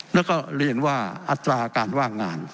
แล้วก็เรียนว่าอัตราการว่างงาน